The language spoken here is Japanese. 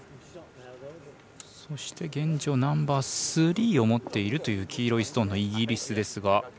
そして、現状ナンバースリーを持っているという黄色いストーンのイギリスですが。